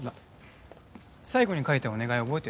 最後に書いたお願い覚えてる？